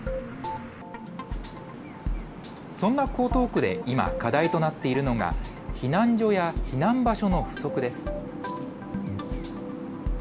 そんな江東区で今、課題となっているのが避難所や避難場所の不足です。